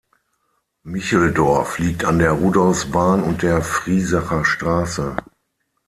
Micheldorf liegt an der Rudolfsbahn und der Friesacher Straße.